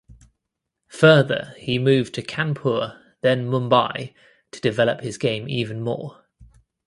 Further he moved to Kanpur then Mumbai to develop his game even more.